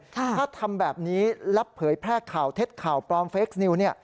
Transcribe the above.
ถ้าทำแบบนี้รับเผยแพร่ข่าวเท็จข่าวปลอมเฟคนิวเนี่ย